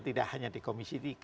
tidak hanya di komisi tiga